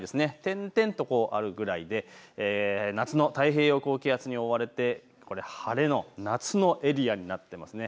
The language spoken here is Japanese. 点々とあるぐらいで夏の太平洋高気圧に覆われて晴れの夏のエリアになっていますね。